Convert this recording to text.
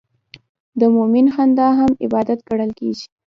د مؤمن خندا هم عبادت ګڼل کېږي.